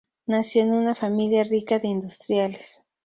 Nació en una familia rica de industriales.